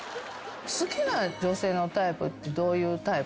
好きな女性のタイプってどういうタイプ？